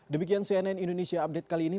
demikian cnn indonesia update kali ini